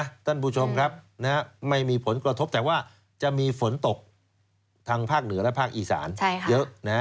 ท่านผู้ชมครับไม่มีผลกระทบแต่ว่าจะมีฝนตกทางภาคเหนือและภาคอีสานเยอะนะฮะ